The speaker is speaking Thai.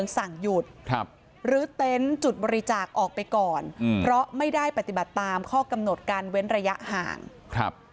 สั่งหยุดครับหรือเต็นต์จุดบริจาคออกไปก่อนอืมเพราะไม่ได้ปฏิบัติตามข้อกำหนดการเว้นระยะห่างครับ